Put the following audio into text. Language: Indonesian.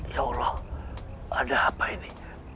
ya allah ada apa ini